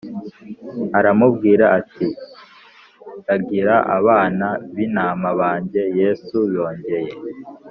aramubwira ati ragira abana b intama banjye Yesu yongeye